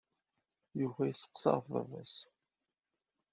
Yuba yesseqsa ɣef baba-s.